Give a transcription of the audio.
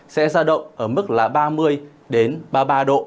sẽ ra động ở mức là ba mươi đến ba mươi ba độ